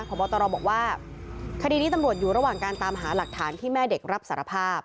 พบตรบอกว่าคดีนี้ตำรวจอยู่ระหว่างการตามหาหลักฐานที่แม่เด็กรับสารภาพ